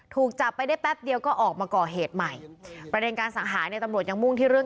ถูกจับไปได้แป๊บเดียวก็ออกมาก่อเหตุใหม่ประเด็นการสังหารเนี่ยตำรวจยังมุ่งที่เรื่อง